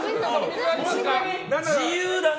自由だね。